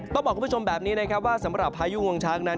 ต้องบอกคุณผู้ชมแบบนี้นะครับว่าสำหรับพายุงวงช้างนั้น